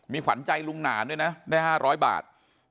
ขวัญใจลุงหนานด้วยนะได้๕๐๐บาท